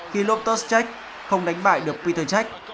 khi lopters cech không đánh bại được peter cech